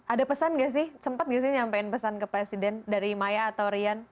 ada pesan gak sih sempat nggak sih nyampein pesan ke presiden dari maya atau rian